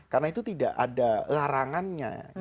karena itu tidak ada larangannya